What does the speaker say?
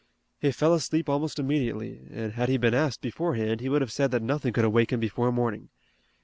He fell asleep almost immediately and had he been asked beforehand he would have said that nothing could awake him before morning.